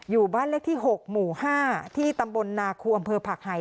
อยู่บ้านเลขที่๖หมู่๕ที่ตำบลนาคูอำเภอผักไห่